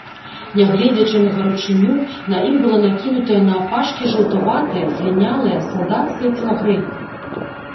Нягледзячы на гарачыню, на ім была накінутая наапашкі жаўтаватая, злінялая салдацкая целагрэйка.